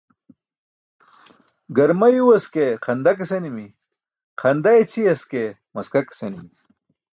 Garma yuywas ke xanda ke senimi, xanda i̇ćʰiyas ke maska ke senimi.